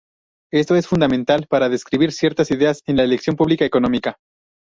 Esto es fundamental para describir ciertas ideas en la elección pública economía.